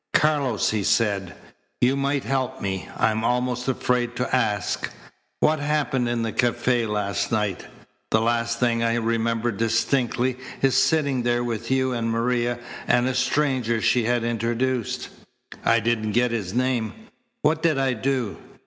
"Carlos," he said, "you might help me. I'm almost afraid to ask. What happened in the cafe last night? The last thing I remember distinctly is sitting there with you and Maria and a stranger she had introduced. I didn't get his name. What did I do?